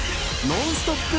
ノンストップ！